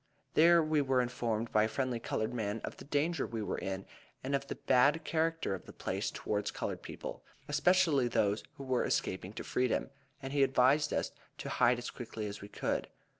There we were informed by a friendly colored man of the danger we were in and of the bad character of the place towards colored people, especially those who were escaping to freedom; and he advised us to hide as quickly as we could.